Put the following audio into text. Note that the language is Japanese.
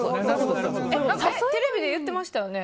テレビで言ってましたよね。